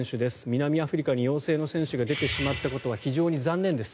南アフリカに陽性の選手が出てしまったことは非常に残念です。